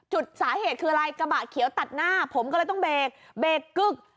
สาเหตุคืออะไรกระบะเขียวตัดหน้าผมก็เลยต้องเบรกเบรกกึ๊ก